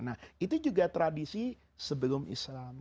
nah itu juga tradisi sebelum islam